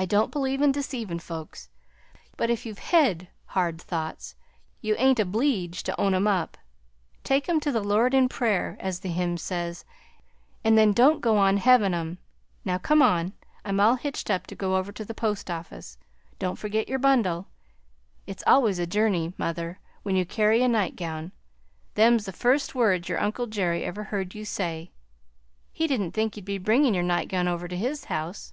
I don't believe in deceivin' folks, but if you've hed hard thoughts you ain't obleeged to own 'em up; take 'em to the Lord in prayer, as the hymn says, and then don't go on hevin' 'em. Now come on; I'm all hitched up to go over to the post office; don't forget your bundle; 'it's always a journey, mother, when you carry a nightgown;' them 's the first words your uncle Jerry ever heard you say! He didn't think you'd be bringin' your nightgown over to his house.